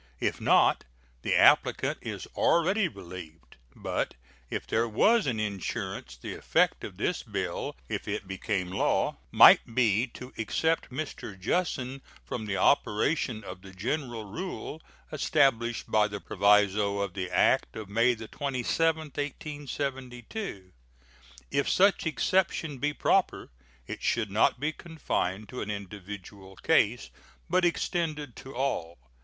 If not, the applicant is already relieved; but if there was an insurance the effect of this bill, if it became a law, might be to except Mr. Jussen from the operation of the general rule established by the proviso of the act of May 27, 1872. If such exception be proper, it should not be confined to an individual case, but extended to all.